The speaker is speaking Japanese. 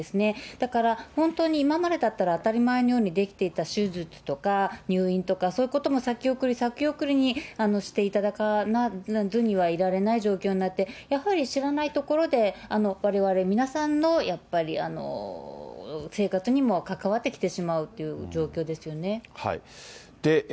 だから本当に今までだったら当たり前のようにできていた手術とか、入院とか、そういうことも先送り先送りにしていただかずにはいられない状況になって、やはり知らないところでわれわれ皆さんのやっぱり生活にも関わってきてしまうっていう状況ですよね。